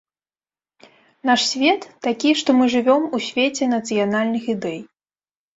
Наш свет такі, што мы жывём у свеце нацыянальных ідэй.